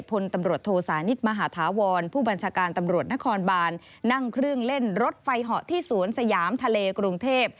พลตำรวจโทสานิทมหาธาวรผู้บัญชาการตำรวจนครบานนั่งเครื่องเล่นรถไฟเหาะที่สวนสยามทะเลกรุงเทพ